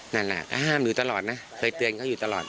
นั่นแหละก็ห้ามหนูตลอดนะเคยเตือนเขาอยู่ตลอด